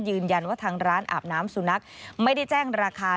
ยืนยันว่าทางร้านอาบน้ำสุนัขไม่ได้แจ้งราคา